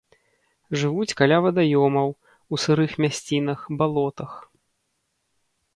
Жывуць каля вадаёмаў, у сырых мясцінах, балотах.